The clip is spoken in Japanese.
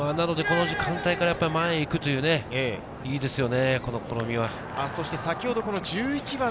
この時間帯から前に行くという、いいですよね